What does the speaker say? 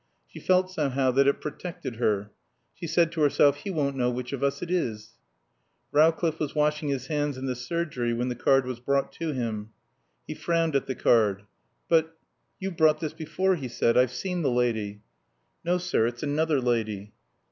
She felt somehow that it protected her. She said to herself, "He won't know which of us it is." Rowcliffe was washing his hands in the surgery when the card was brought to him. He frowned at the card. "But You've brought this before," he said. "I've seen the lady." "No, sir. It's another lady."